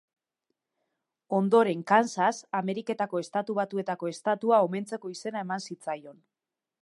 Ondoren Kansas, Ameriketako Estatu Batuetako estatua omentzeko izena eman zitzaion.